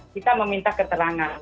kita meminta keterangan